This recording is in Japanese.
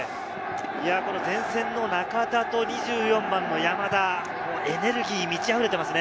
前線の中田と山田、エネルギーに満ちあふれていますね。